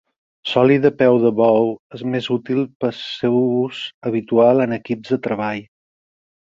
L'oli de peu de bou és més útil pel seu ús habitual en equips de treball.